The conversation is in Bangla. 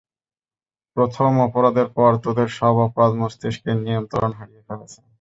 প্রথম অপরাধের পর তোদের সব অপরাধ মস্তিষ্কের নিয়ন্ত্রণ হারিয়ে হয়েছে।